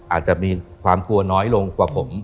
อาจจะมีความกลัวน้อยลงกว่าผม